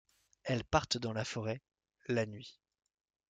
Elles partent dans la forêt, la nuit.